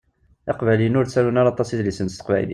Iqbayliyen ur ttarun ara aṭas idlisen s teqbaylit.